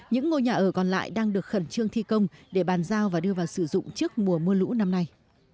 những ngôi nhà ở còn lại đang được khẩn trương thi công để bàn giao và đưa vào sử dụng trước mùa mưa lũ năm nay